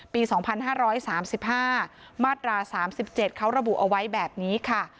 ปีสองพันห้าร้อยสามสิบห้ามาตราสามสิบเจ็ดเขาระบุเอาไว้แบบนี้ค่ะ